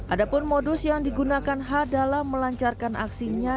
ada pun modus yang digunakan h dalam melancarkan aksinya